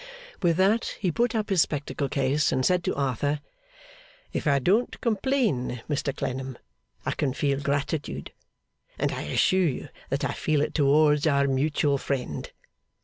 With that he put up his spectacle case, and said to Arthur, 'If I don't complain, Mr Clennam, I can feel gratitude; and I assure you that I feel it towards our mutual friend.